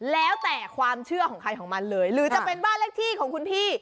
แล้วแต่ความเชื่อของใครของมันเลยหรือจะเป็นบ้านเลขที่ของคุณพี่